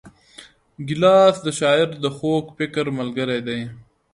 ګیلاس د شاعر د خوږ فکر ملګری دی.